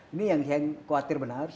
ini yang saya khawatir benar